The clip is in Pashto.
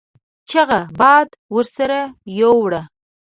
چيغه باد ورسره يو وړه.